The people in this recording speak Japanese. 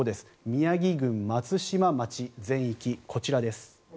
宮城郡松島町全域、こちらです。